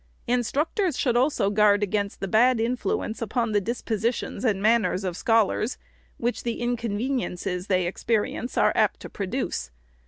" Instructors should also guard against the bad influ ence upon the dispositions and manners of scholars, which the inconveniences they experience are apt to pro duce.